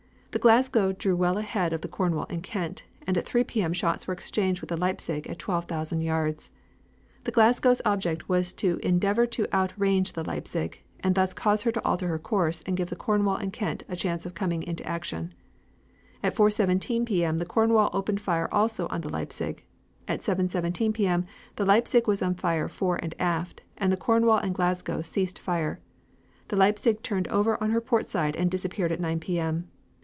The Glasgow drew well ahead of the Cornwall and Kent, and at 3 P. M. shots were exchanged with the Leipzig at 12,000 yards. The Glasgow's object was to endeavor to outrange the Leipzig, and thus cause her to alter course and give the Cornwall and Kent a chance of coming into action. At 4.17 P. M. the Cornwall opened fire also on the Leipzig; at 7.17 P. M. the Leipzig was on fire fore and aft, and the Cornwall and Glasgow ceased fire. The Leipzig turned over on her port side and disappeared at 9 P. M.